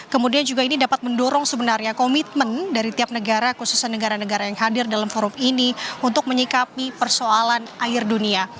kemudian juga ini dapat mendorong sebenarnya komitmen dari tiap negara khususnya negara negara yang hadir dalam forum ini untuk menyikapi persoalan air dunia